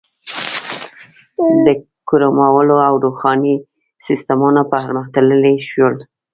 • د ګرمولو او روښنایۍ سیستمونه پرمختللي شول.